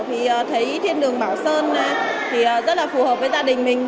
thì thấy thiên đường bảo sơn thì rất là phù hợp với gia đình mình